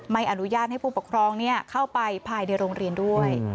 ไม่อนุญาตให้ผู้ปกครองเข้าไปภายในโรงเรียนด้วย